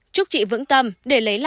chúc chị vững tâm để lấy lại con gái nhỏ